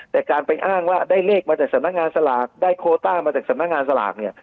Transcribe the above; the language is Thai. แต่การไปอ้างว่าได้เลขมาจากสำนักงานสลากได้โคต้ามาจากสำนักงานสลากเนี่ย